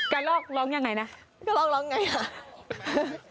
กระรอกร้องยังไงนะกระรอกร้องยังไงอ่ะ